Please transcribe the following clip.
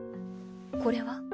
これは？